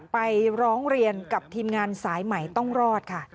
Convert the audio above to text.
ไปร้องเรียนกับทีมงานสายใหม่ต้องรอดค่ะ